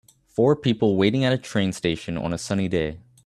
Four people waiting at a train station on a sunny day